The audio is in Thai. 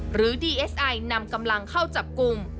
หรือดีเอสไอนำกำลังเข้าจับกลุ่ม